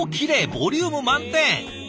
ボリューム満点。